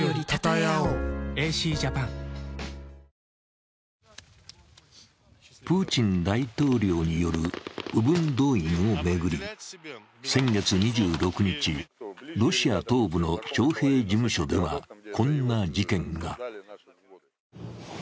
その後も男性はプーチン大統領による部分動員を巡り、先月２６日ロシア東部の徴兵事務所ではこんな事件が。